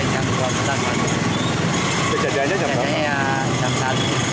angin kencang itu berapa lama